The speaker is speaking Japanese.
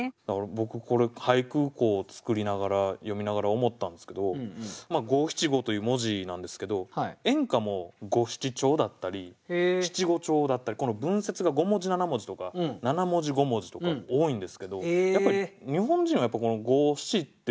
僕これ俳句作りながら詠みながら思ったんですけど五七五という文字なんですけど演歌も五七調だったり七五調だったり文節が五文字七文字とか七文字五文字とか多いんですけどやっぱり日本人は五七っていう。